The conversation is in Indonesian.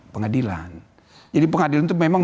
pengadilan jadi pengadilan itu memang